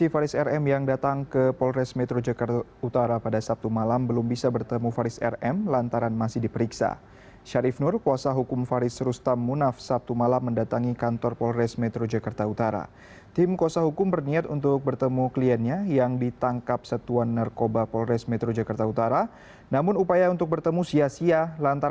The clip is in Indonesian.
faris rm bersama dua orang pelaku lain dijeratkan